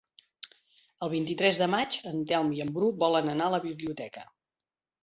El vint-i-tres de maig en Telm i en Bru volen anar a la biblioteca.